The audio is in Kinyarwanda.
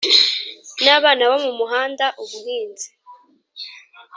n abana bo mu muhanda ubuhinzi